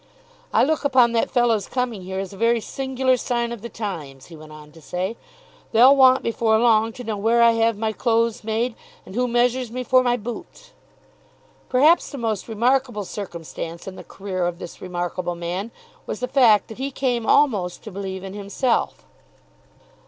"I look upon that fellow's coming here as a very singular sign of the times," he went on to say. "They'll want before long to know where I have my clothes made, and who measures me for my boots!" Perhaps the most remarkable circumstance in the career of this remarkable man was the fact that he came almost to believe in himself.